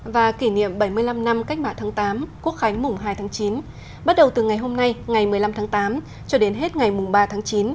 và kỷ niệm bảy mươi năm năm cách mạng tháng tám quốc khánh mùng hai tháng chín bắt đầu từ ngày hôm nay ngày một mươi năm tháng tám cho đến hết ngày mùng ba tháng chín